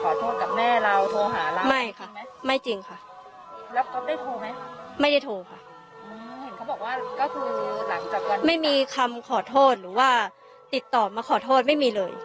ก็คือหลังจากวันไม่มีคำขอโทษหรือว่าติดต่อมาขอโทษไม่มีเลย